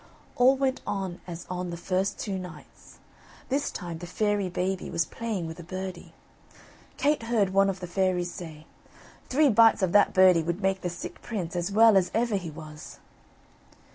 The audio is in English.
All went on as on the first two nights. This time the fairy baby was playing with a birdie; Kate heard one of the fairies say: "Three bites of that birdie would make the sick prince as well as ever he was."